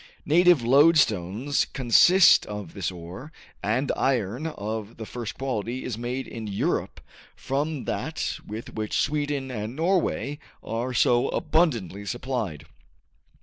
Native lodestones consist of this ore, and iron of the first quality is made in Europe from that with which Sweden and Norway are so abundantly supplied.